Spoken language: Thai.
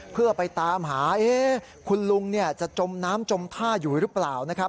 เพื่อไปตามหาคุณลุงจะจมน้ำจมท่าอยู่หรือเปล่านะครับ